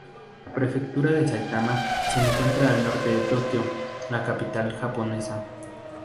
La prefectura de Saitama se encuentra al norte de Tokio, la capital japonesa.